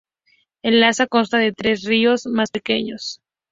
El Lhasa consta de tres ríos más pequeños.